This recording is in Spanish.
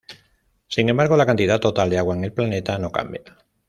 Sin embargo, la cantidad total de agua en el planeta no cambia.